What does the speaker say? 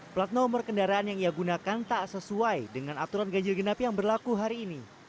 plat nomor kendaraan yang ia gunakan tak sesuai dengan aturan ganjil genap yang berlaku hari ini